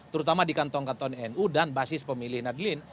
terutama di kantong kantong nu dan basis pemilih nadlin